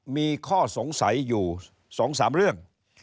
มีข้อสงสัยอยู่สองสามเรื่อง